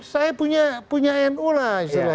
saya punya anu lah